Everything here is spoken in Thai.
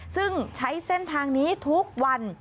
ซึ่งใช้เส้นทางนี้ทุกวัน